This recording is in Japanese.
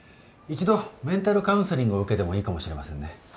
１度メンタルカウンセリングを受けてもいいかもしれませんね。